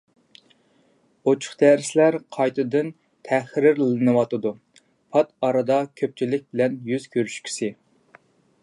ئوچۇق دەرسلەر قايتىدىن تەھرىرلىنىۋاتىدۇ. پات ئارىدا كۆپچىلىك بىلەن يۈز كۆرۈشكۈسى!